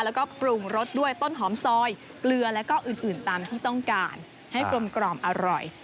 แล้วก็ปรุงรสด้วยต้นหอมซอยเกลือแล้วก็อื่นตามที่ต้องการให้กลมอร่อย